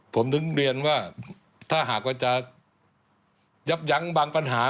ผมถึงเรียนว่าถ้าหากว่าจะยับยั้งบางปัญหา